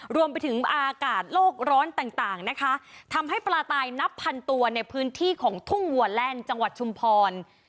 รวมไปถึงอากาศโลกร้อนต่างนะคะทำให้ปลาตายนับพันตัวในพื้นที่ของทุ่งวัวแล่นจังหวัดชุมพร